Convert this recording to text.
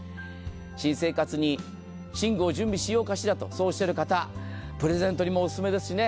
新生活に寝具を準備しようかしらとおっしゃる方プレゼントにもおすすめですしね。